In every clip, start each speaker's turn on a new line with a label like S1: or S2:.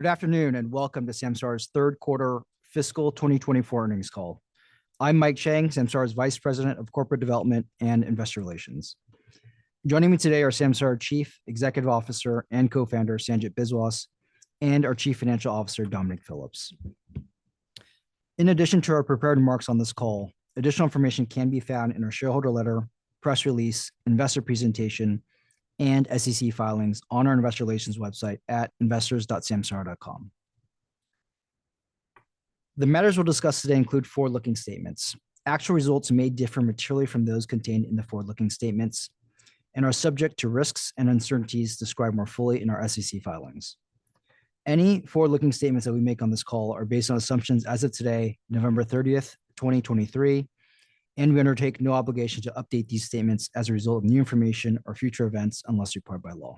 S1: Good afternoon, and welcome to Samsara's third quarter fiscal 2024 earnings call. I'm Mike Chang, Samsara's Vice President of Corporate Development and Investor Relations. Joining me today are Samsara's Chief Executive Officer and Co-founder, Sanjit Biswas, and our Chief Financial Officer, Dominic Phillips. In addition to our prepared remarks on this call, additional information can be found in our shareholder letter, press release, investor presentation, and SEC filings on our investor relations website at investors.samsara.com. The matters we'll discuss today include forward-looking statements. Actual results may differ materially from those contained in the forward-looking statements and are subject to risks and uncertainties described more fully in our SEC filings. Any forward-looking statements that we make on this call are based on assumptions as of today, November 30th, 2023, and we undertake no obligation to update these statements as a result of new information or future events, unless required by law.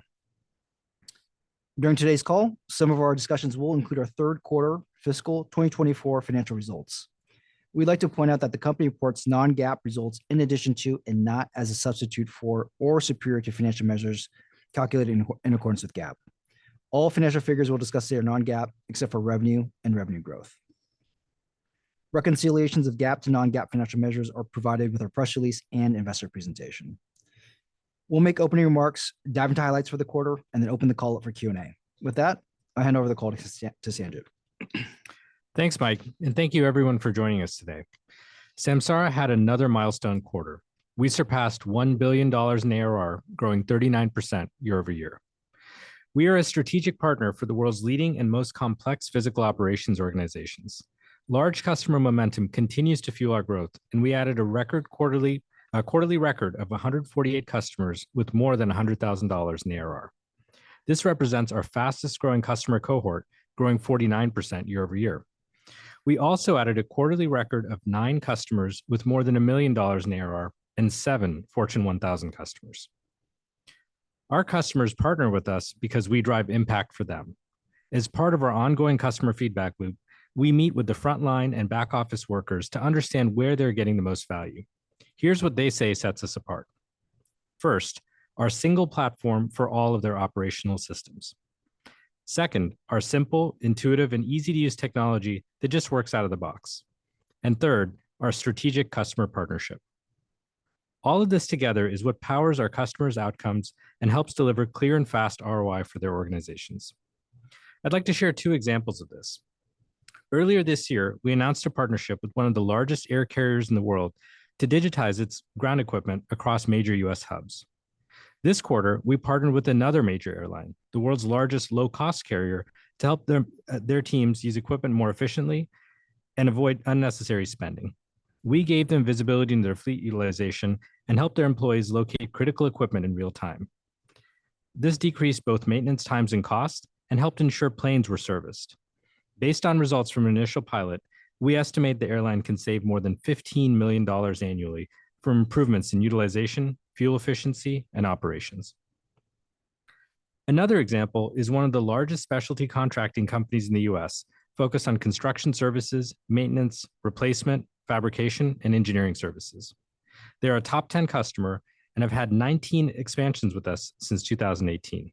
S1: During today's call, some of our discussions will include our third quarter fiscal 2024 financial results. We'd like to point out that the company reports non-GAAP results in addition to, and not as a substitute for, or superior to, financial measures calculated in accordance with GAAP. All financial figures we'll discuss today are non-GAAP, except for revenue and revenue growth. Reconciliations of GAAP to non-GAAP financial measures are provided with our press release and investor presentation. We'll make opening remarks, dive into highlights for the quarter, and then open the call up for Q&A. With that, I'll hand over the call to Sanjit.
S2: Thanks, Mike, and thank you everyone for joining us today. Samsara had another milestone quarter. We surpassed $1 billion in ARR, growing 39% year-over-year. We are a strategic partner for the world's leading and most complex physical operations organizations. Large customer momentum continues to fuel our growth, and we added a quarterly record of 148 customers with more than $100,000 in ARR. This represents our fastest growing customer cohort, growing 49% year-over-year. We also added a quarterly record of nine customers with more than $1 million in ARR and seven Fortune 1000 customers. Our customers partner with us because we drive impact for them. As part of our ongoing customer feedback loop, we meet with the frontline and back office workers to understand where they're getting the most value. Here's what they say sets us apart. First, our single platform for all of their operational systems. Second, our simple, intuitive, and easy-to-use technology that just works out of the box. And third, our strategic customer partnership. All of this together is what powers our customers' outcomes and helps deliver clear and fast ROI for their organizations. I'd like to share two examples of this. Earlier this year, we announced a partnership with one of the largest air carriers in the world to digitize its ground equipment across major U.S. hubs. This quarter, we partnered with another major airline, the world's largest low-cost carrier, to help their teams use equipment more efficiently and avoid unnecessary spending. We gave them visibility into their fleet utilization and helped their employees locate critical equipment in real time. This decreased both maintenance times and costs and helped ensure planes were serviced. Based on results from an initial pilot, we estimate the airline can save more than $15 million annually from improvements in utilization, fuel efficiency, and operations. Another example is one of the largest specialty contracting companies in the U.S. focused on construction services, maintenance, replacement, fabrication, and engineering services. They're a top ten customer and have had 19 expansions with us since 2018.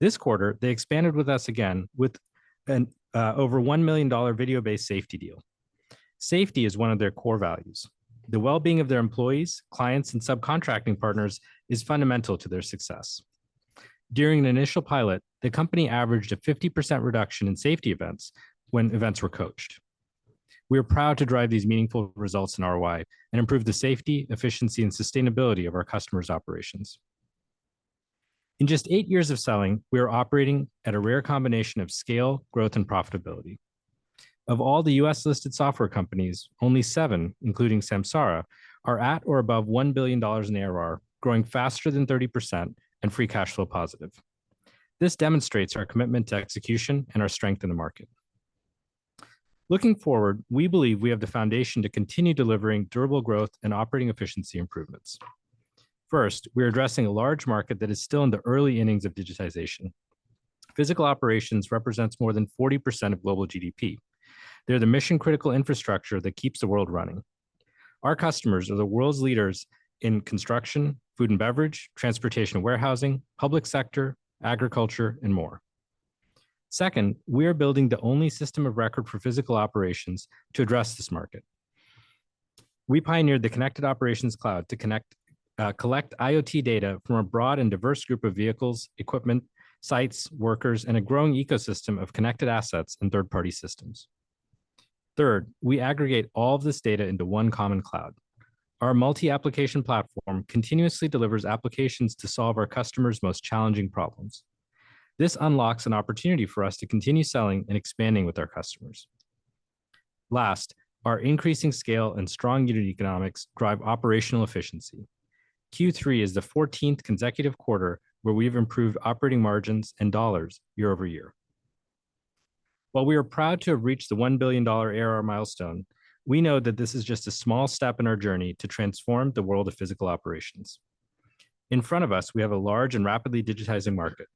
S2: This quarter, they expanded with us again with an over $1 million Video-Based Safety deal. Safety is one of their core values. The well-being of their employees, clients, and subcontracting partners is fundamental to their success. During the initial pilot, the company averaged a 50% reduction in safety events when events were coached. We are proud to drive these meaningful results in ROI and improve the safety, efficiency, and sustainability of our customers' operations. In just 8 years of selling, we are operating at a rare combination of scale, growth, and profitability. Of all the U.S.-listed software companies, only 7, including Samsara, are at or above $1 billion in ARR, growing faster than 30% and free cash flow positive. This demonstrates our commitment to execution and our strength in the market. Looking forward, we believe we have the foundation to continue delivering durable growth and operating efficiency improvements. First, we are addressing a large market that is still in the early innings of digitization. Physical operations represents more than 40% of global GDP. They're the mission-critical infrastructure that keeps the world running. Our customers are the world's leaders in construction, food and beverage, transportation and warehousing, public sector, agriculture, and more. Second, we are building the only system of record for physical operations to address this market. We pioneered the Connected Operations Cloud to connect, collect IoT data from a broad and diverse group of vehicles, equipment, sites, workers, and a growing ecosystem of connected assets and third-party systems. Third, we aggregate all of this data into one common cloud. Our multi-application platform continuously delivers applications to solve our customers' most challenging problems. This unlocks an opportunity for us to continue selling and expanding with our customers. Last, our increasing scale and strong unit economics drive operational efficiency. Q3 is the fourteenth consecutive quarter where we've improved operating margins and dollars year over year. While we are proud to have reached the $1 billion ARR milestone, we know that this is just a small step in our journey to transform the world of physical operations. In front of us, we have a large and rapidly digitizing market.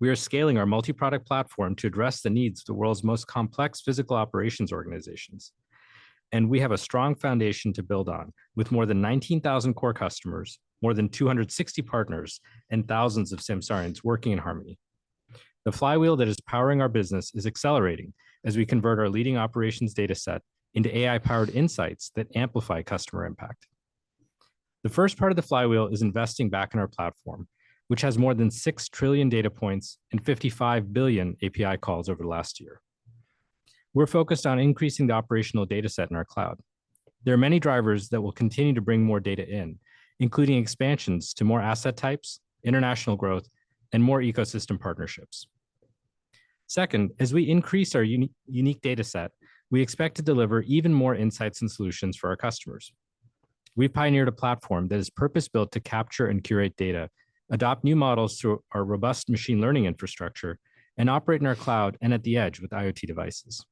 S2: We are scaling our multi-product platform to address the needs of the world's most complex physical operations organizations, and we have a strong foundation to build on. With more than 19,000 core customers, more than 260 partners, and thousands of Samsarias working in harmony. The flywheel that is powering our business is accelerating as we convert our leading operations data set into AI-powered insights that amplify customer impact. The first part of the flywheel is investing back in our platform, which has more than 6 trillion data points and 55 billion API calls over the last year. We're focused on increasing the operational data set in our cloud. There are many drivers that will continue to bring more data in, including expansions to more asset types, international growth, and more ecosystem partnerships. Second, as we increase our unique data set, we expect to deliver even more insights and solutions for our customers. We pioneered a platform that is purpose-built to capture and curate data, adopt new models through our robust machine learning infrastructure, and operate in our cloud and at the edge with IoT devices.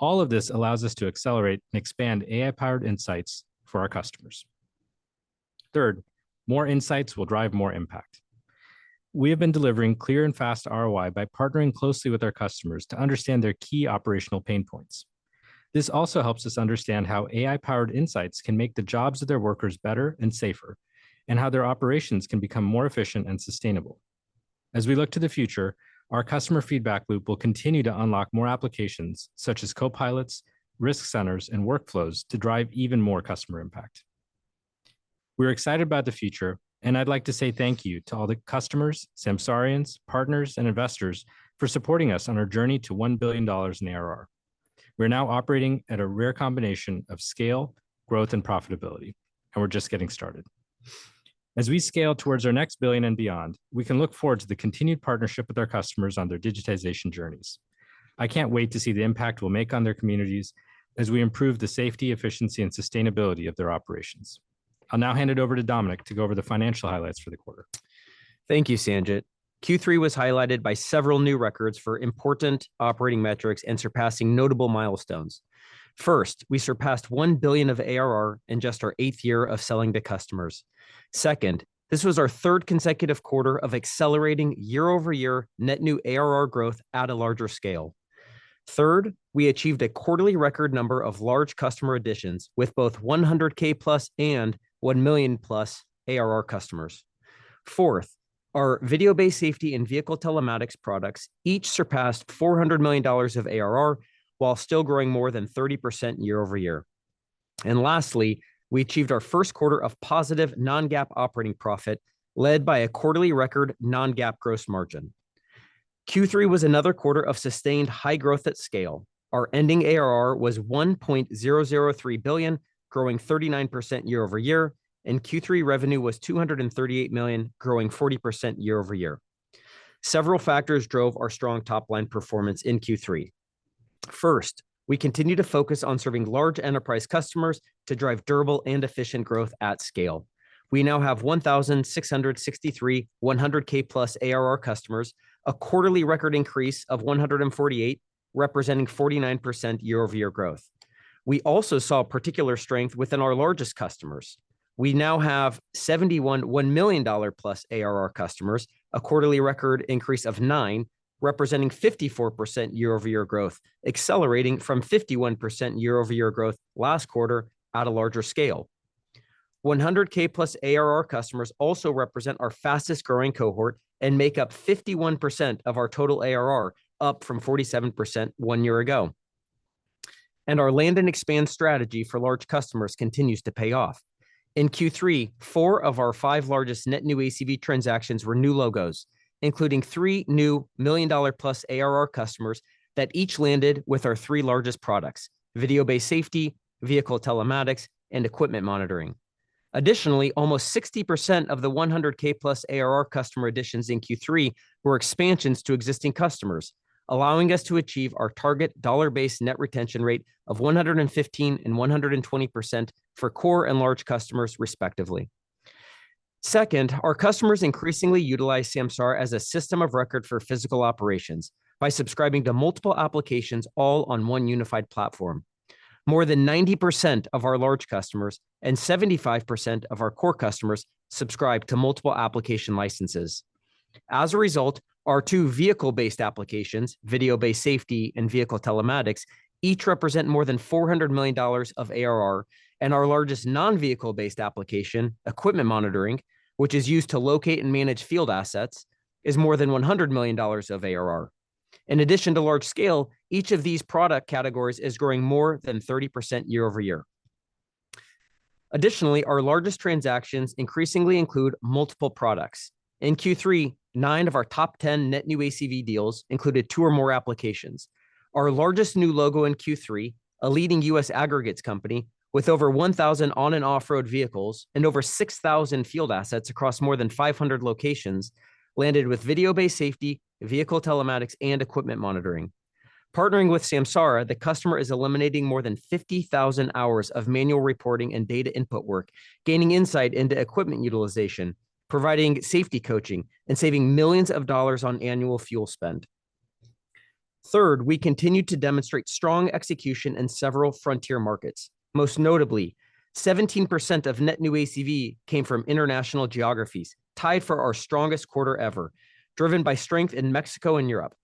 S2: All of this allows us to accelerate and expand AI-powered insights for our customers. Third, more insights will drive more impact. We have been delivering clear and fast ROI by partnering closely with our customers to understand their key operational pain points. This also helps us understand how AI-powered insights can make the jobs of their workers better and safer, and how their operations can become more efficient and sustainable. As we look to the future, our customer feedback loop will continue to unlock more applications, such as copilots, risk centers, and workflows to drive even more customer impact. We're excited about the future, and I'd like to say thank you to all the customers, Samsarians, partners, and investors for supporting us on our journey to $1 billion in ARR. We're now operating at a rare combination of scale, growth, and profitability, and we're just getting started. As we scale towards our next billion and beyond, we can look forward to the continued partnership with our customers on their digitization journeys. I can't wait to see the impact we'll make on their communities as we improve the safety, efficiency, and sustainability of their operations. I'll now hand it over to Dominic to go over the financial highlights for the quarter.
S3: Thank you, Sanjit. Q3 was highlighted by several new records for important operating metrics and surpassing notable milestones. First, we surpassed $1 billion of ARR in just our eighth year of selling to customers. Second, this was our third consecutive quarter of accelerating year-over-year net new ARR growth at a larger scale. Third, we achieved a quarterly record number of large customer additions, with both 100K+ and 1 million+ ARR customers. Fourth, our Video-Based Safety and Vehicle Telematics products each surpassed $400 million of ARR, while still growing more than 30% year-over-year. And lastly, we achieved our first quarter of positive non-GAAP operating profit, led by a quarterly record non-GAAP gross margin. Q3 was another quarter of sustained high growth at scale. Our ending ARR was $1.003 billion, growing 39% year-over-year, and Q3 revenue was $238 million, growing 40% year-over-year. Several factors drove our strong top-line performance in Q3. First, we continue to focus on serving large enterprise customers to drive durable and efficient growth at scale. We now have 1,663 100K-plus ARR customers, a quarterly record increase of 148, representing 49% year-over-year growth. We also saw particular strength within our largest customers. We now have 71 $1 million-plus ARR customers, a quarterly record increase of 9, representing 54% year-over-year growth, accelerating from 51% year-over-year growth last quarter at a larger scale. 100K-plus ARR customers also represent our fastest-growing cohort and make up 51% of our total ARR, up from 47% 1 year ago. Our land and expand strategy for large customers continues to pay off. In Q3, 4 of our 5 largest net new ACV transactions were new logos, including 3 new million-dollar-plus ARR customers that each landed with our 3 largest products: Video-Based Safety, Vehicle Telematics, and Equipment Monitoring. Additionally, almost 60% of the 100K-plus ARR customer additions in Q3 were expansions to existing customers, allowing us to achieve our target dollar-based net retention rate of 115% and 120% for core and large customers, respectively. Second, our customers increasingly utilize Samsara as a system of record for physical operations by subscribing to multiple applications, all on one unified platform. More than 90% of our large customers and 75% of our core customers subscribe to multiple application licenses. As a result, our two vehicle-based applications, Video-Based Safety and Vehicle Telematics, each represent more than $400 million of ARR, and our largest non-vehicle-based application, Equipment Monitoring, which is used to locate and manage field assets, is more than $100 million of ARR. In addition to large scale, each of these product categories is growing more than 30% year-over-year. Additionally, our largest transactions increasingly include multiple products. In Q3, nine of our top 10 net new ACV deals included two or more applications. Our largest new logo in Q3, a leading U.S. aggregates company with over 1,000 on and off-road vehicles and over 6,000 field assets across more than 500 locations, landed with Video-Based Safety, Vehicle Telematics, and Equipment Monitoring. Partnering with Samsara, the customer is eliminating more than 50,000 hours of manual reporting and data input work, gaining insight into equipment utilization, providing safety coaching, and saving $millions on annual fuel spend. Third, we continued to demonstrate strong execution in several frontier markets. Most notably, 17% of net new ACV came from international geographies, tied for our strongest quarter ever, driven by strength in Mexico and Europe.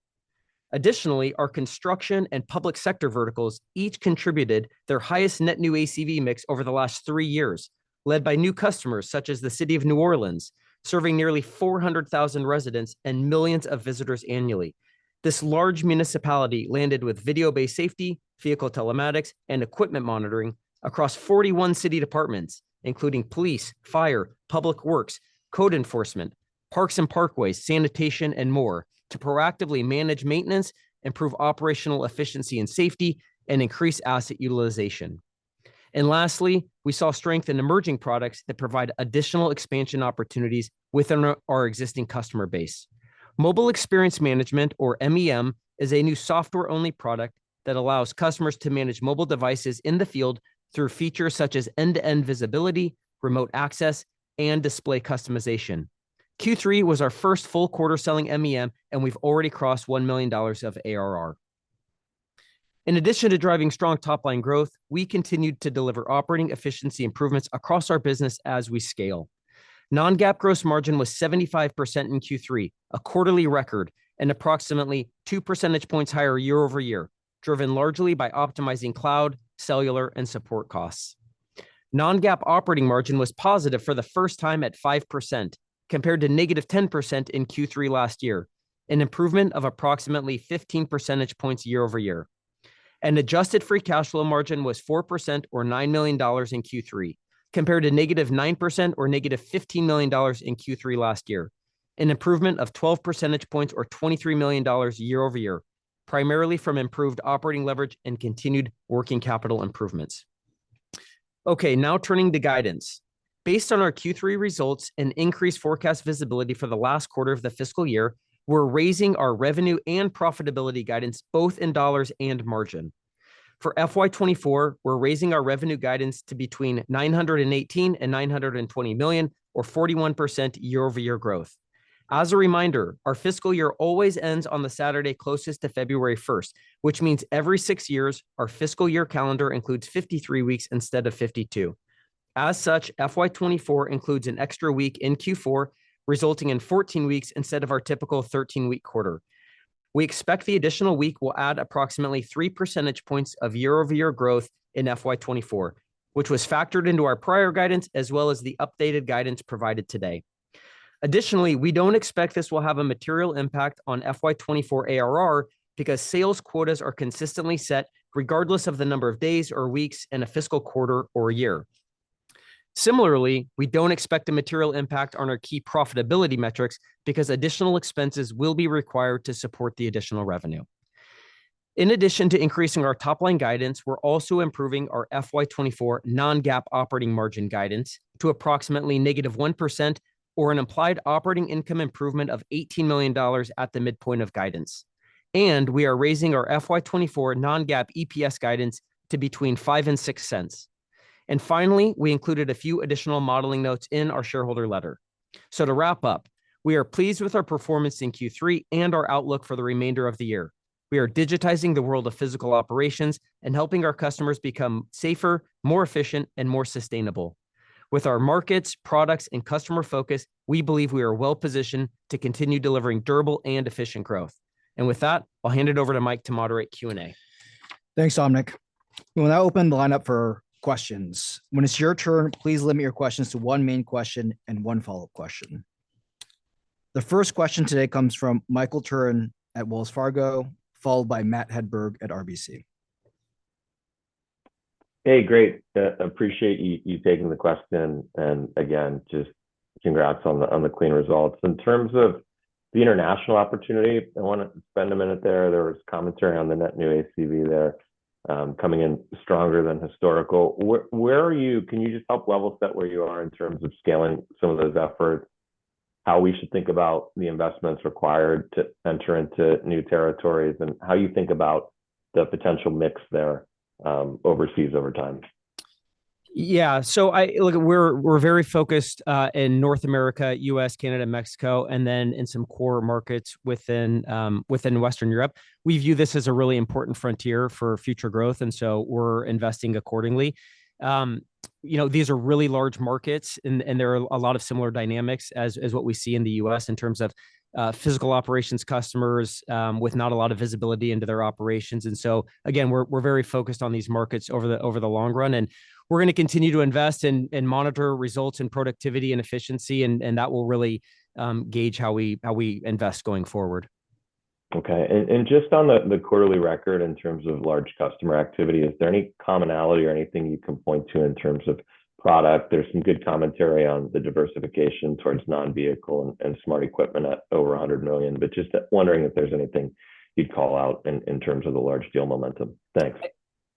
S3: Additionally, our construction and public sector verticals each contributed their highest net new ACV mix over the last three years, led by new customers such as the City of New Orleans, serving nearly 400,000 residents and millions of visitors annually. This large municipality landed with Video-Based Safety, Vehicle Telematics, and Equipment Monitoring across 41 city departments, including police, fire, Public Works, Code Enforcement, Parks and Parkways, sanitation, and more, to proactively manage maintenance, improve operational efficiency and safety, and increase asset utilization. Lastly, we saw strength in emerging products that provide additional expansion opportunities within our existing customer base. Mobile Experience Management, or MEM, is a new software-only product that allows customers to manage mobile devices in the field through features such as end-to-end visibility, remote access, and display customization. Q3 was our first full quarter selling MEM, and we've already crossed $1 million of ARR. In addition to driving strong top-line growth, we continued to deliver operating efficiency improvements across our business as we scale. Non-GAAP gross margin was 75% in Q3, a quarterly record, and approximately two percentage points higher year-over-year, driven largely by optimizing cloud, cellular, and support costs. Non-GAAP operating margin was positive for the first time at 5%, compared to -10% in Q3 last year, an improvement of approximately 15 percentage points year-over-year. And adjusted free cash flow margin was 4%, or $9 million in Q3, compared to -9% or -$15 million in Q3 last year, an improvement of 12 percentage points or $23 million year-over-year, primarily from improved operating leverage and continued working capital improvements. Okay, now turning to guidance. Based on our Q3 results and increased forecast visibility for the last quarter of the fiscal year, we're raising our revenue and profitability guidance both in dollars and margin. For FY 2024, we're raising our revenue guidance to between $918 million and $920 million, or 41% year-over-year growth. As a reminder, our fiscal year always ends on the Saturday closest to February first, which means every six years, our fiscal year calendar includes 53 weeks instead of 52. As such, FY 2024 includes an extra week in Q4, resulting in 14 weeks instead of our typical 13-week quarter. We expect the additional week will add approximately 3 percentage points of year-over-year growth in FY 2024, which was factored into our prior guidance, as well as the updated guidance provided today. Additionally, we don't expect this will have a material impact on FY 2024 ARR, because sales quotas are consistently set regardless of the number of days or weeks in a fiscal quarter or year. Similarly, we don't expect a material impact on our key profitability metrics, because additional expenses will be required to support the additional revenue. In addition to increasing our top-line guidance, we're also improving our FY 2024 non-GAAP operating margin guidance to approximately -1%, or an implied operating income improvement of $18 million at the midpoint of guidance. We are raising our FY 2024 non-GAAP EPS guidance to between $0.05 and $0.06. Finally, we included a few additional modeling notes in our shareholder letter. So to wrap up, we are pleased with our performance in Q3 and our outlook for the remainder of the year. We are digitizing the world of physical operations and helping our customers become safer, more efficient, and more sustainable. With our markets, products, and customer focus, we believe we are well-positioned to continue delivering durable and efficient growth. With that, I'll hand it over to Mike to moderate Q&A.
S1: Thanks, Dominic. We will now open the line up for questions. When it's your turn, please limit your questions to one main question and one follow-up question. The first question today comes from Michael Turrin at Wells Fargo, followed by Matt Hedberg at RBC.
S4: Hey, great, appreciate you taking the question. And again, just congrats on the clean results. In terms of the international opportunity, I wanna spend a minute there. There was commentary on the net new ACV there, coming in stronger than historical. Where are you? Can you just help level set where you are in terms of scaling some of those efforts? How we should think about the investments required to enter into new territories, and how you think about the potential mix there, overseas over time?
S3: Yeah. So, look, we're very focused in North America, US, Canada, Mexico, and then in some core markets within Western Europe. We view this as a really important frontier for future growth, and so we're investing accordingly. You know, these are really large markets, and there are a lot of similar dynamics as what we see in the US in terms of physical operations customers with not a lot of visibility into their operations. And so, again, we're very focused on these markets over the long run, and we're gonna continue to invest and monitor results and productivity and efficiency, and that will really gauge how we invest going forward.
S4: Okay. And just on the quarterly record in terms of large customer activity, is there any commonality or anything you can point to in terms of product? There's some good commentary on the diversification towards non-vehicle and smart equipment at over $100 million, but just wondering if there's anything you'd call out in terms of the large deal momentum. Thanks.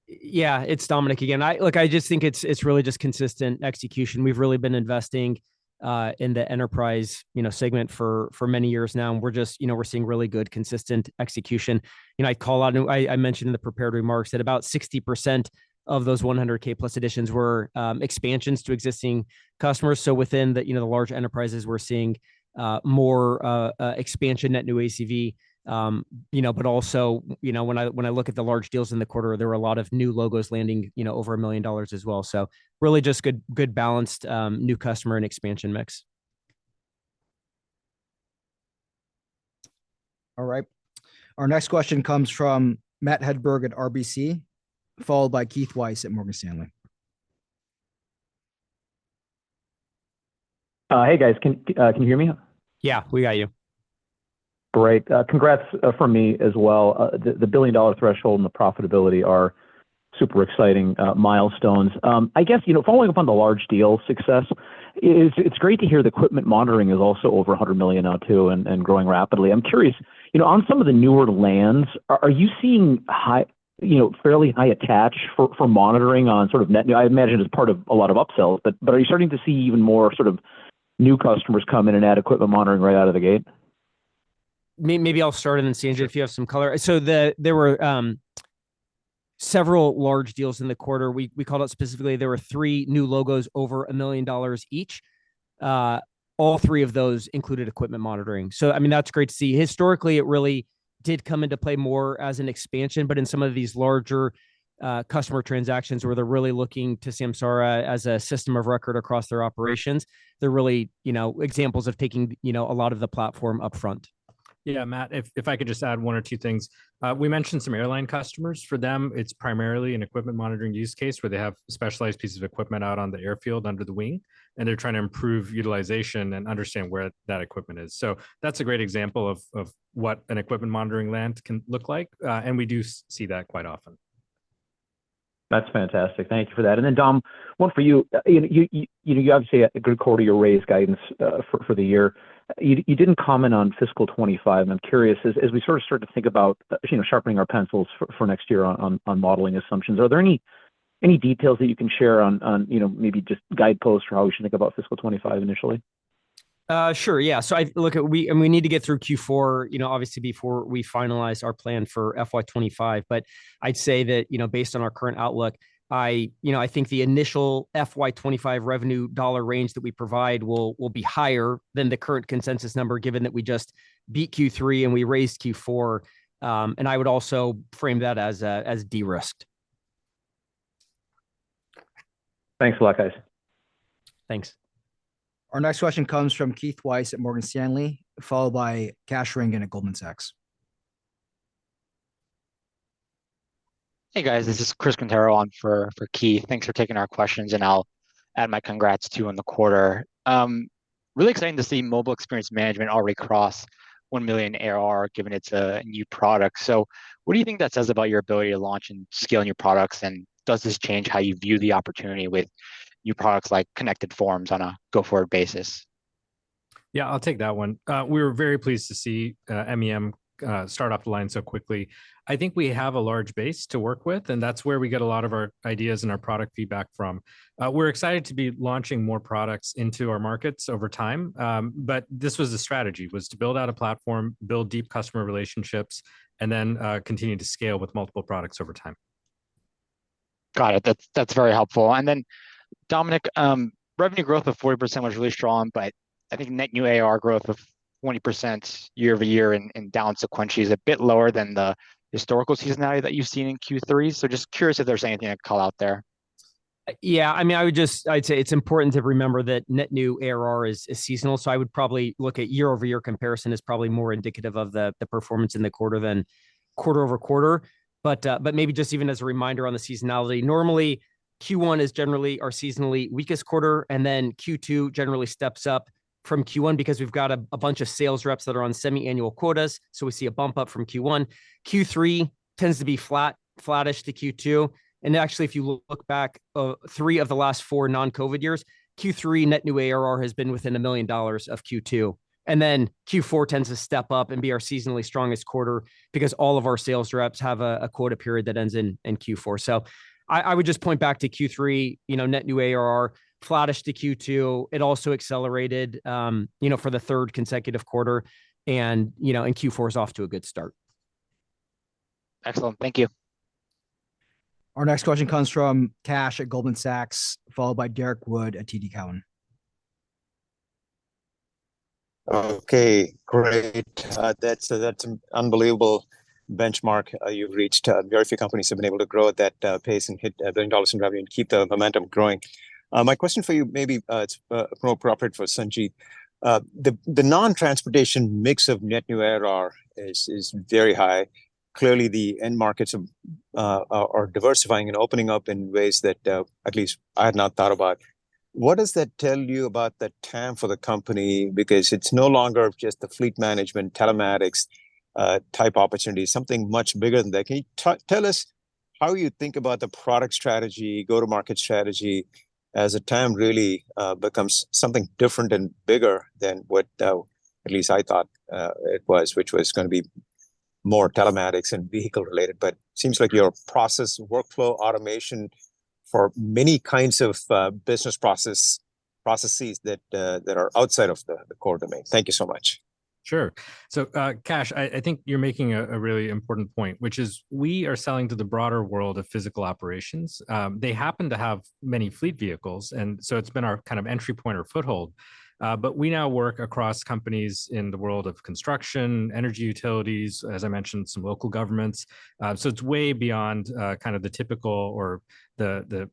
S3: Yeah, it's Dominic again. Look, I just think it's really just consistent execution. We've really been investing in the enterprise, you know, segment for many years now, and we're just, you know, we're seeing really good, consistent execution. You know, I call out. I mentioned in the prepared remarks that about 60% of those 100K-plus additions were expansions to existing customers. So within the, you know, the large enterprises, we're seeing more expansion, net new ACV, you know, but also, you know, when I look at the large deals in the quarter, there were a lot of new logos landing, you know, over $1 million as well. So really just good, good balanced new customer and expansion mix.
S1: All right. Our next question comes from Matt Hedberg at RBC, followed by Keith Weiss at Morgan Stanley.
S5: Hey, guys. Can you hear me?
S3: Yeah, we got you.
S5: Great. Congrats from me as well. The billion-dollar threshold and the profitability are super exciting milestones. I guess, you know, following up on the large deal success, it's great to hear the Equipment Monitoring is also over $100 million now too, and growing rapidly. I'm curious, you know, on some of the newer lands, are you seeing fairly high attach for monitoring on sort of net? I imagine as part of a lot of upsells, but are you starting to see even more sort of new customers come in and add Equipment Monitoring right out of the gate?
S3: Maybe I'll start and then, Sanjit, if you have some color. So there were several large deals in the quarter. We called out specifically, there were three new logos, over $1 million each. All three of those included Equipment Monitoring. So, I mean, that's great to see. Historically, it really did come into play more as an expansion, but in some of these larger customer transactions, where they're really looking to Samsara as a system of record across their operations, they're really, you know, examples of taking, you know, a lot of the platform upfront.
S2: Yeah, Matt, if I could just add one or two things. We mentioned some airline customers. For them, it's primarily an Equipment Monitoring use case, where they have specialized pieces of equipment out on the airfield under the wing, and they're trying to improve utilization and understand where that equipment is. So that's a great example of what an Equipment Monitoring lens can look like. And we do see that quite often.
S5: That's fantastic. Thank you for that. And then, Dom, one for you. You know, you obviously had a good quarter, you raised guidance for the year. You didn't comment on fiscal 2025, and I'm curious, as we sort of start to think about, you know, sharpening our pencils for next year on modeling assumptions, are there any details that you can share on, you know, maybe just guideposts for how we should think about fiscal 2025 initially?
S3: Sure, yeah. So I look at and we need to get through Q4, you know, obviously, before we finalize our plan for FY 25. But I'd say that, you know, based on our current outlook, I, you know, I think the initial FY 25 revenue dollar range that we provide will, will be higher than the current consensus number, given that we just beat Q3, and we raised Q4. And I would also frame that as de-risked.
S5: Thanks a lot, guys.
S3: Thanks.
S1: Our next question comes from Keith Weiss at Morgan Stanley, followed by Kash Rangan at Goldman Sachs.
S6: Hey, guys, this is Chris Quintero on for, for Keith. Thanks for taking our questions, and I'll add my congrats, too, on the quarter. Really exciting to see Mobile Experience Management already cross 1 million ARR, given it's a new product. So what do you think that says about your ability to launch and scale new products? And does this change how you view the opportunity with new products, like Connected Forms, on a go-forward basis?
S2: Yeah, I'll take that one. We were very pleased to see MEM start off the line so quickly. I think we have a large base to work with, and that's where we get a lot of our ideas and our product feedback from. We're excited to be launching more products into our markets over time. But this was the strategy, was to build out a platform, build deep customer relationships, and then continue to scale with multiple products over time.
S6: Got it. That's, that's very helpful. And then, Dominic, revenue growth of 40% was really strong, but I think net new ARR growth of 20% year-over-year and, and down sequentially is a bit lower than the historical seasonality that you've seen in Q3. So just curious if there's anything I'd call out there.
S3: Yeah, I mean, I would just I'd say it's important to remember that net new ARR is seasonal. So I would probably look at year-over-year comparison is probably more indicative of the performance in the quarter than quarter-over-quarter. But maybe just even as a reminder on the seasonality, normally, Q1 is generally our seasonally weakest quarter, and then Q2 generally steps up from Q1 because we've got a bunch of sales reps that are on semi-annual quotas, so we see a bump up from Q1. Q3 tends to be flat, flattish to Q2. And actually, if you look back, three of the last four non-COVID years, Q3 net new ARR has been within $1 million of Q2. Q4 tends to step up and be our seasonally strongest quarter because all of our sales reps have a quota period that ends in Q4. I would just point back to Q3, you know, net new ARR, flattish to Q2. It also accelerated, you know, for the third consecutive quarter, and you know and Q4 is off to a good start.
S6: Excellent. Thank you.
S1: Our next question comes from Kash at Goldman Sachs, followed by Derrick Wood at TD Cowen.
S7: Okay, great. That's a, that's an unbelievable benchmark you've reached. Very few companies have been able to grow at that pace and hit $1 billion in revenue and keep the momentum growing. My question for you, maybe it's more appropriate for Sanjit. The non-transportation mix of net new ARR is very high. Clearly, the end markets are diversifying and opening up in ways that at least I had not thought about. What does that tell you about the TAM for the company? Because it's no longer just the fleet management, telematics type opportunity, something much bigger than that. Can you tell us how you think about the product strategy, go-to-market strategy, as the TAM really becomes something different and bigger than what at least I thought it was, which was gonna be more telematics and vehicle-related. But seems like your process workflow automation for many kinds of business process processes that are outside of the core domain. Thank you so much.
S2: Sure. So, Kash, I think you're making a really important point, which is we are selling to the broader world of physical operations. They happen to have many fleet vehicles, and so it's been our kind of entry point or foothold. But we now work across companies in the world of construction, energy utilities, as I mentioned, some local governments. So it's way beyond kind of the typical or the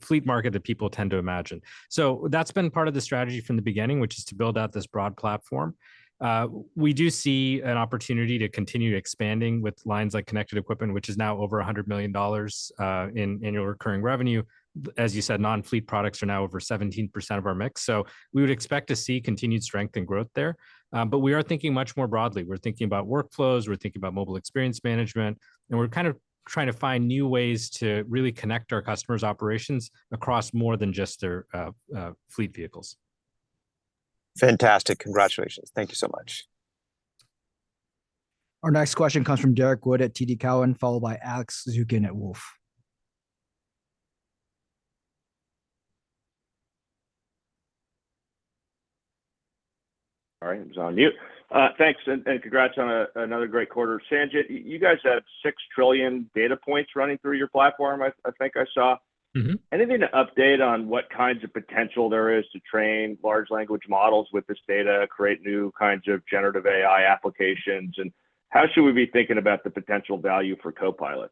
S2: fleet market that people tend to imagine. So that's been part of the strategy from the beginning, which is to build out this broad platform. We do see an opportunity to continue expanding with lines like connected equipment, which is now over $100 million in annual recurring revenue. As you said, non-fleet products are now over 17% of our mix, so we would expect to see continued strength and growth there. We are thinking much more broadly. We're thinking about workflows, we're thinking about Mobile Experience Management, and we're kind of trying to find new ways to really connect our customers' operations across more than just their fleet vehicles.
S7: Fantastic. Congratulations. Thank you so much.
S1: Our next question comes from Derrick Wood at TD Cowen, followed by Alex Zukin at Wolfe.
S8: All right, I was on mute. Thanks, and congrats on another great quarter. Sanjit, you guys have 6 trillion data points running through your platform, I think I saw. Anything to update on what kinds of potential there is to train large language models with this data, create new kinds of generative AI applications? And how should we be thinking about the potential value for Copilots?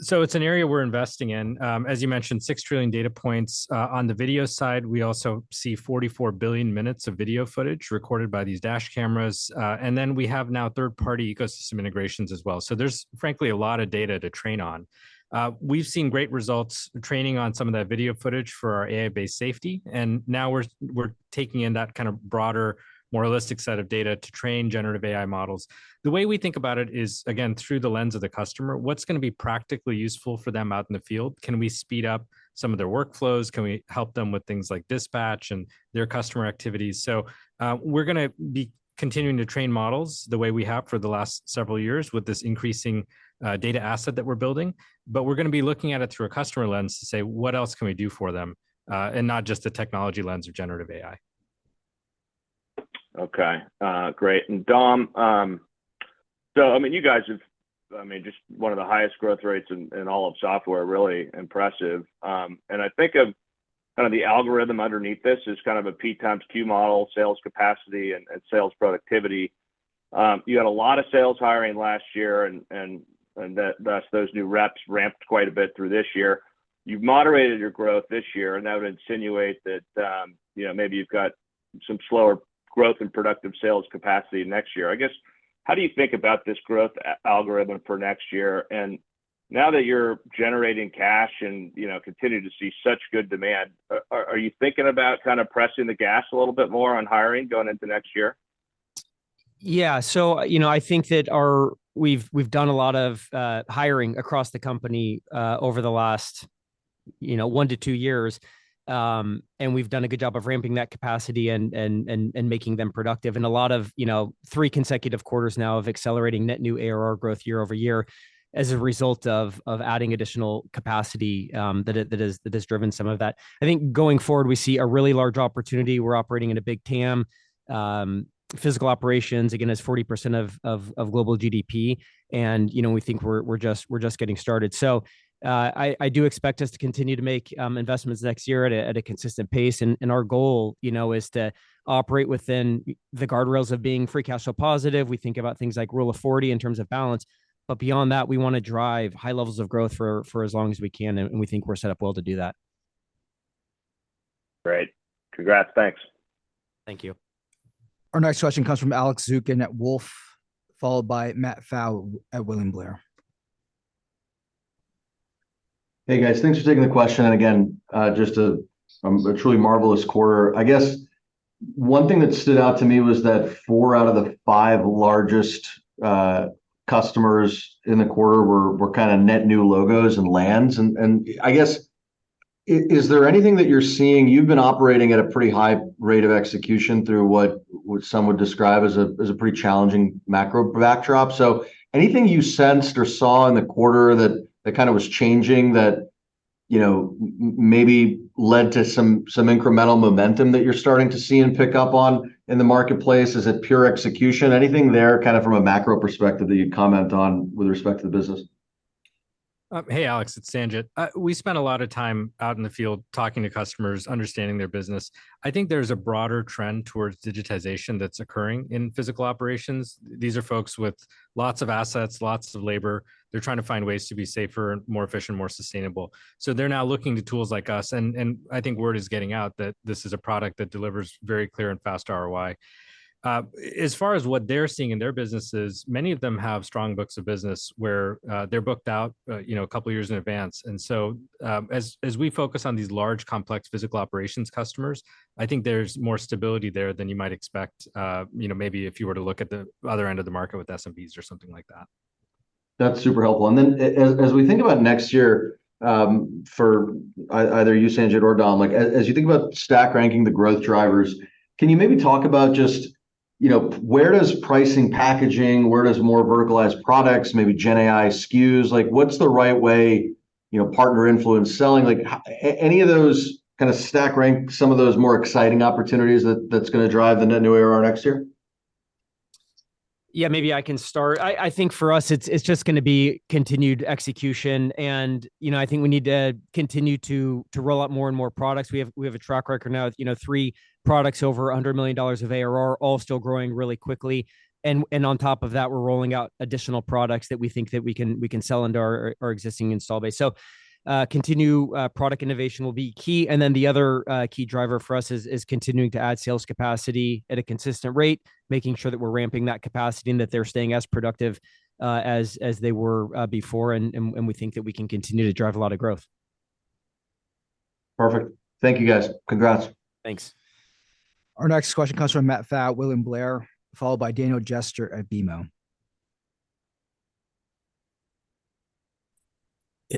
S2: So it's an area we're investing in. As you mentioned, 6 trillion data points. On the video side, we also see 44 billion minutes of video footage recorded by these dash cameras. And then we have now third-party ecosystem integrations as well. So there's, frankly, a lot of data to train on. We've seen great results training on some of that video footage for our AI-based safety, and now we're, we're taking in that kind of broader, more holistic set of data to train generative AI models. The way we think about it is, again, through the lens of the customer, what's going to be practically useful for them out in the field? Can we speed up some of their workflows? Can we help them with things like dispatch and their customer activities? So, we're gonna be continuing to train models the way we have for the last several years with this increasing, data asset that we're building. But we're gonna be looking at it through a customer lens to say: What else can we do for them? And not just a technology lens of generative AI.
S8: Okay. Great. And Dom, so I mean, you guys have, I mean, just one of the highest growth rates in all of software, really impressive. And I think of kind of the algorithm underneath this is kind of a P times Q model, sales capacity and sales productivity. You had a lot of sales hiring last year, and that thus those new reps ramped quite a bit through this year. You've moderated your growth this year, and that would insinuate that, you know, maybe you've got some slower growth and productive sales capacity next year. I guess, how do you think about this growth algorithm for next year? Now that you're generating cash and, you know, continue to see such good demand, are you thinking about kind of pressing the gas a little bit more on hiring going into next year?
S3: Yeah. So, you know, I think that our. We've, we've done a lot of hiring across the company over the last, you know, 1-2 years. And we've done a good job of ramping that capacity and making them productive. And a lot of, you know, 3 consecutive quarters now of accelerating net new ARR growth year-over-year as a result of adding additional capacity that has driven some of that. I think going forward, we see a really large opportunity. We're operating in a big TAM. Physical operations, again, is 40% of global GDP, and, you know, we think we're just getting started. So, I do expect us to continue to make investments next year at a consistent pace. Our goal, you know, is to operate within the guardrails of being Free Cash Flow positive. We think about things like Rule of Forty in terms of balance, but beyond that, we want to drive high levels of growth for as long as we can, and we think we're set up well to do that.
S8: Great. Congrats, thanks.
S3: Thank you.
S1: Our next question comes from Alex Zukin at Wolfe, followed by Matt Pfau at William Blair.
S9: Hey, guys. Thanks for taking the question, and again, just a truly marvelous quarter. I guess one thing that stood out to me was that 4 out of the 5 largest customers in the quarter were kind of net new logos and lands. And I guess, is there anything that you're seeing—You've been operating at a pretty high rate of execution through what some would describe as a pretty challenging macro backdrop. So anything you sensed or saw in the quarter that kind of was changing that, you know, maybe led to some incremental momentum that you're starting to see and pick up on in the marketplace? Is it pure execution? Anything there, kind of from a macro perspective, that you'd comment on with respect to the business?
S2: Hey, Alex, it's Sanjit. We spent a lot of time out in the field talking to customers, understanding their business. I think there's a broader trend towards digitization that's occurring in physical operations. These are folks with lots of assets, lots of labor. They're trying to find ways to be safer, more efficient, more sustainable. So they're now looking to tools like us, and, and I think word is getting out that this is a product that delivers very clear and fast ROI. As far as what they're seeing in their businesses, many of them have strong books of business where they're booked out, you know, a couple of years in advance. And so, as we focus on these large, complex physical operations customers, I think there's more stability there than you might expect, you know, maybe if you were to look at the other end of the market with SMBs or something like that.
S9: That's super helpful. And then as we think about next year, for either you, Sanjit, or Dom, like as you think about stack ranking the growth drivers, can you maybe talk about just you know, where does pricing, packaging, where does more verticalized products, maybe gen AI SKUs, like, what's the right way, you know, partner influence selling? Like, any of those kind of stack rank, some of those more exciting opportunities that's gonna drive the net new ARR next year?
S3: Yeah, maybe I can start. I think for us, it's just gonna be continued execution. And, you know, I think we need to continue to roll out more and more products. We have a track record now with, you know, three products over $100 million of ARR, all still growing really quickly. And on top of that, we're rolling out additional products that we think that we can sell into our existing install base. So continue product innovation will be key. And then the other key driver for us is continuing to add sales capacity at a consistent rate, making sure that we're ramping that capacity and that they're staying as productive as they were before. And we think that we can continue to drive a lot of growth.
S9: Perfect. Thank you, guys. Congrats.
S3: Thanks.
S1: Our next question comes from Matt Fowle, William Blair, followed by Daniel Jester at BMO.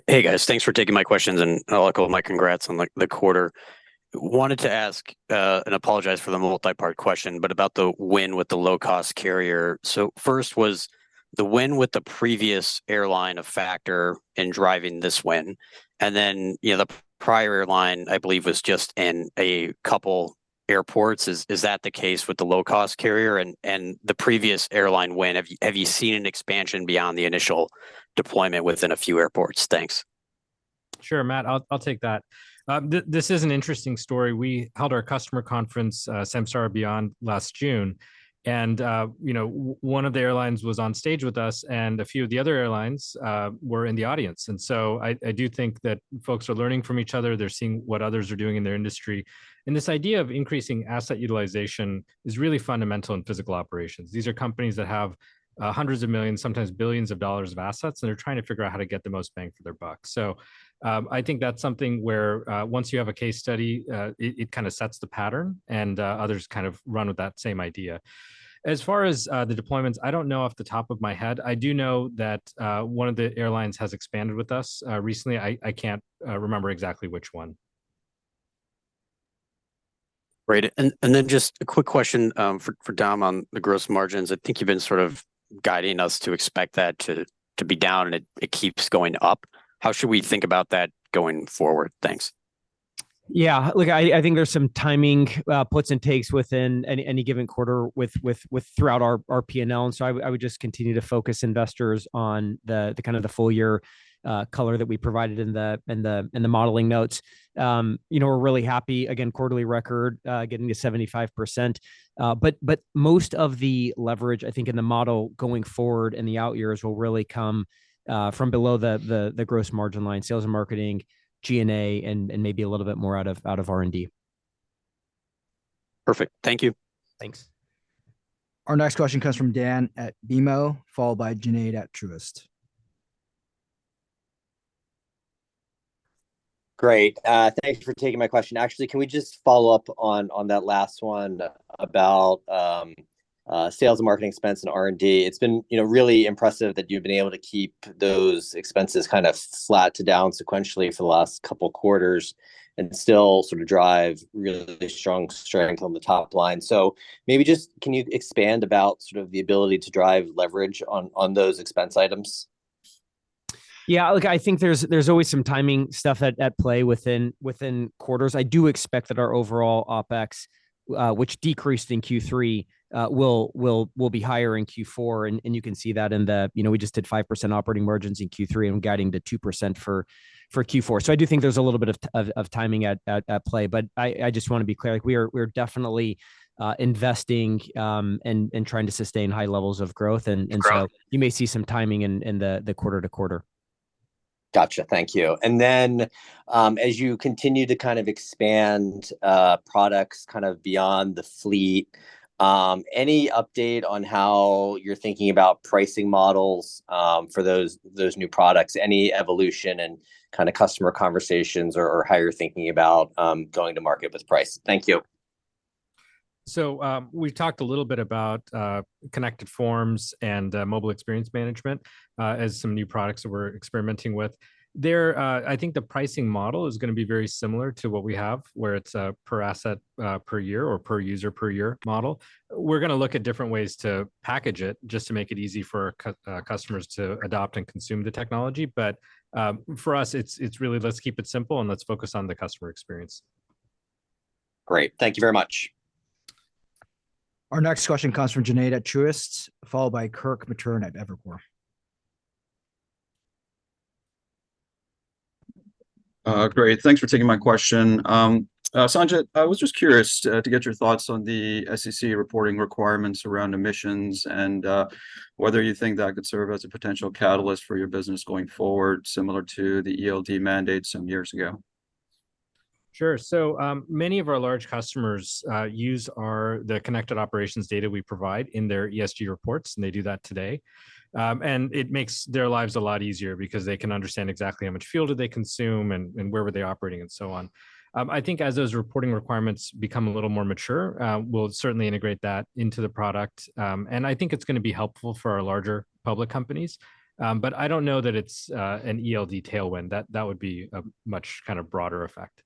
S10: Hey, guys. Thanks for taking my questions, and I'll echo my congrats on, like, the quarter. Wanted to ask and apologize for the multi-part question, but about the win with the low-cost carrier. So first, was the win with the previous airline a factor in driving this win? And then, you know, the prior airline, I believe, was just in a couple airports. Is that the case with the low-cost carrier and the previous airline win? Have you seen an expansion beyond the initial deployment within a few airports? Thanks.
S2: Sure, Matt, I'll take that. This is an interesting story. We held our customer conference, Samsara Beyond, last June, and you know, one of the airlines was on stage with us, and a few of the other airlines were in the audience. And so I do think that folks are learning from each other. They're seeing what others are doing in their industry. And this idea of increasing asset utilization is really fundamental in physical operations. These are companies that have hundreds of millions, sometimes billions of dollars of assets, and they're trying to figure out how to get the most bang for their buck. So, I think that's something where, once you have a case study, it kind of sets the pattern, and others kind of run with that same idea. As far as the deployments, I don't know off the top of my head. I do know that one of the airlines has expanded with us recently. I can't remember exactly which one.
S10: Great. And then just a quick question for Dom on the gross margins. I think you've been sort of guiding us to expect that to be down, and it keeps going up. How should we think about that going forward? Thanks.
S3: Yeah, look, I think there's some timing puts and takes within any given quarter with throughout our P&L. So I would just continue to focus investors on the kind of the full year color that we provided in the modeling notes. You know, we're really happy, again, quarterly record getting to 75%. But most of the leverage, I think, in the model going forward and the out years will really come from below the gross margin line, sales and marketing, G&A, and maybe a little bit more out of R&D.
S10: Perfect. Thank you.
S3: Thanks.
S1: Our next question comes from Dan at BMO, followed by Junaid at Truist.
S11: Great. Thank you for taking my question. Actually, can we just follow up on, on that last one about sales and marketing expense and R&D? It's been, you know, really impressive that you've been able to keep those expenses kind of flat to down sequentially for the last couple quarters and still sort of drive really strong strength on the top line. So maybe just can you expand about sort of the ability to drive leverage on, on those expense items?
S3: Yeah, look, I think there's always some timing stuff at play within quarters. I do expect that our overall OpEx, which decreased in Q3, will be higher in Q4. And you can see that in the You know, we just did 5% operating margins in Q3 and guiding to 2% for Q4. So I do think there's a little bit of timing at play, but I just want to be clear, like, we're definitely investing and trying to sustain high levels of growth.
S11: Great.
S3: And so you may see some timing in the quarter-to-quarter.
S11: Gotcha. Thank you. And then, as you continue to kind of expand products kind of beyond the fleet, any update on how you're thinking about pricing models for those, those new products? Any evolution and kind of customer conversations or, or how you're thinking about going to market with price? Thank you.
S2: So, we've talked a little bit about, Connected Forms and, Mobile Experience Management, as some new products that we're experimenting with. There, I think the pricing model is gonna be very similar to what we have, where it's a per asset, per year or per user, per year model. We're gonna look at different ways to package it, just to make it easy for customers to adopt and consume the technology. But, for us, it's, it's really let's keep it simple, and let's focus on the customer experience.
S11: Great. Thank you very much.
S1: Our next question comes from Junaid at Truist, followed by Kirk Materne at Evercore.
S12: Great. Thanks for taking my question. Sanjit, I was just curious to get your thoughts on the SEC reporting requirements around emissions and whether you think that could serve as a potential catalyst for your business going forward, similar to the ELD mandate some years ago?
S2: Sure. So, many of our large customers use the connected operations data we provide in their ESG reports, and they do that today. And it makes their lives a lot easier because they can understand exactly how much fuel did they consume and where were they operating, and so on. I think as those reporting requirements become a little more mature, we'll certainly integrate that into the product. And I think it's gonna be helpful for our larger public companies, but I don't know that it's an ELD tailwind. That would be a much kind of broader effect.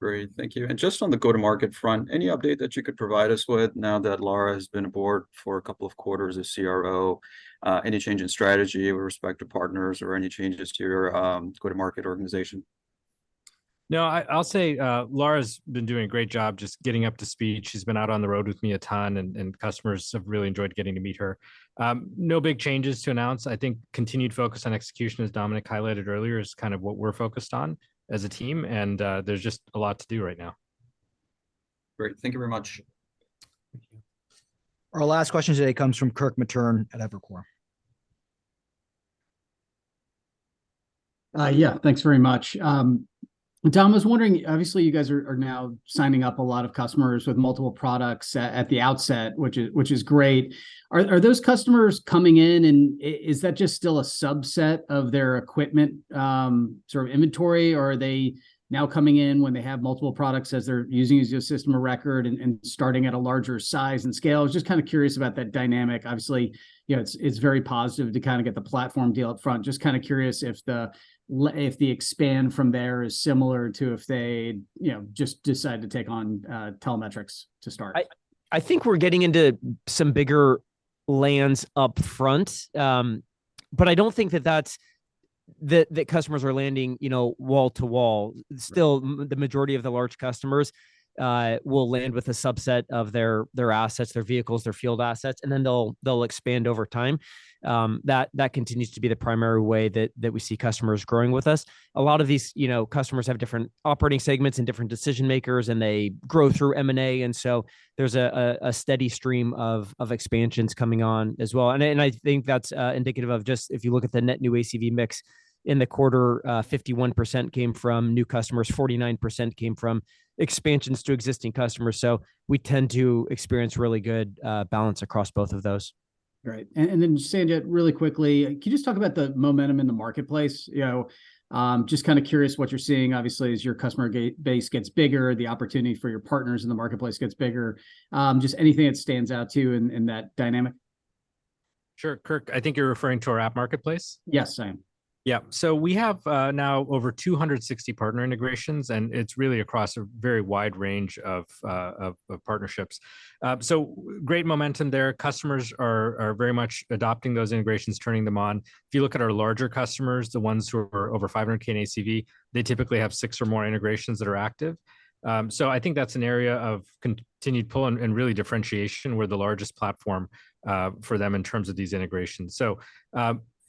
S12: Great. Thank you. And just on the go-to-market front, any update that you could provide us with now that Lara has been aboard for a couple of quarters as CRO? Any change in strategy with respect to partners or any changes to your go-to-market organization?
S2: No, I'll say, Lara's been doing a great job just getting up to speed. She's been out on the road with me a ton, and customers have really enjoyed getting to meet her. No big changes to announce. I think continued focus on execution, as Dominic highlighted earlier, is kind of what we're focused on as a team. There's just a lot to do right now.
S12: Great. Thank you very much.
S1: Our last question today comes from Kirk Materne at Evercore.
S13: Yeah, thanks very much. Dom, I was wondering, obviously, you guys are now signing up a lot of customers with multiple products at the outset, which is great. Are those customers coming in, and is that just still a subset of their equipment sort of inventory, or are they now coming in when they have multiple products as they're using as your system of record and starting at a larger size and scale? I was just kind of curious about that dynamic. Obviously, you know, it's very positive to kind of get the platform deal up front. Just kind of curious if the expansion from there is similar to if they, you know, just decide to take on telematics to start.
S2: I think we're getting into some bigger lands up front. But I don't think that customers are landing, you know, wall-to-wall. Still, the majority of the large customers will land with a subset of their, their assets, their vehicles, their field assets, and then they'll, they'll expand over time. That continues to be the primary way that we see customers growing with us. A lot of these, you know, customers have different operating segments and different decision-makers, and they grow through M&A, and so there's a steady stream of expansions coming on as well. And I think that's indicative of just if you look at the net new ACV mix in the quarter, 51% came from new customers, 49% came from expansions to existing customers. So we tend to experience really good balance across both of those.
S13: Great. And then, Sanjit, really quickly, can you just talk about the momentum in the marketplace? You know, just kind of curious what you're seeing. Obviously, as your customer base gets bigger, the opportunity for your partners in the marketplace gets bigger. Just anything that stands out to you in that dynamic?
S2: Sure. Kirk, I think you're referring to our app marketplace?
S13: Yes, I am.
S2: Yeah. So we have now over 260 partner integrations, and it's really across a very wide range of partnerships. So great momentum there. Customers are very much adopting those integrations, turning them on. If you look at our larger customers, the ones who are over 500k ACV, they typically have 6 or more integrations that are active. So I think that's an area of continued pull and really differentiation. We're the largest platform for them in terms of these integrations. So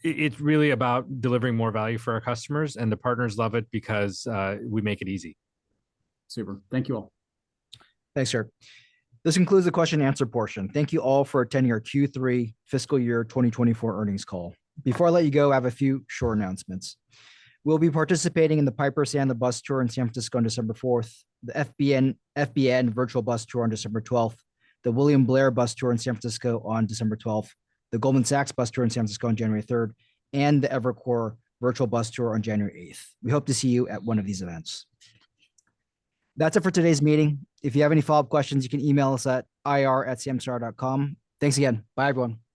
S2: it's really about delivering more value for our customers, and the partners love it because we make it easy.
S13: Super. Thank you all.
S1: Thanks, Kirk. This concludes the question and answer portion. Thank you all for attending our Q3 fiscal year 2024 earnings call. Before I let you go, I have a few short announcements. We'll be participating in the Piper Sandler Bus Tour in San Francisco on December 4th, the FBN Virtual Bus Tour on December 12th, the William Blair Bus Tour in San Francisco on December 12th, the Goldman Sachs Bus Tour in San Francisco on January 3rd, and the Evercore Virtual Bus Tour on January 8th. We hope to see you at one of these events. That's it for today's meeting. If you have any follow-up questions, you can email us at ir@samsara.com. Thanks again. Bye, everyone.